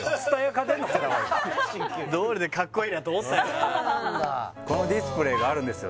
どうりでかっこいいなと思ってたこのディスプレイがあるんですよ